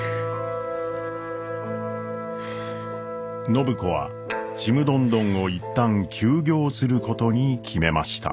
暢子はちむどんどんを一旦休業することに決めました。